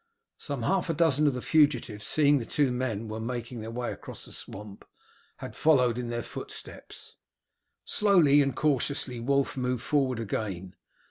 Some half dozen of the fugitives, seeing the two men were making their way across the swamp, had followed in their footsteps. Slowly and cautiously Wulf moved forward again.